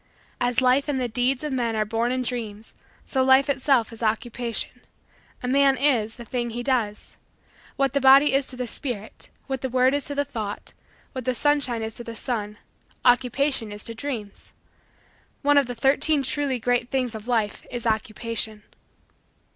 As life and the deeds of men are born in dreams so life itself is Occupation. A man is the thing he does. What the body is to the spirit; what the word is to the thought; what the sunshine is to the sun; Occupation is to Dreams. One of the Thirteen Truly Great Things of Life is Occupation.